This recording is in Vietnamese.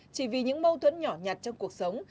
chỉ vì những mâu thuẫn nhỏ nhặt trong cuộc sống